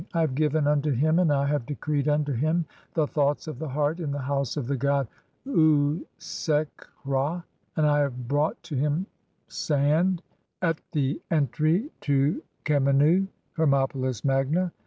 I have given unto him and I "have decreed unto him the thoughts (5) of the heart in the "House of the god Usekh hra, 1 and I have brought to him "sand at the entry to Khemennu (Hermopolis Magna).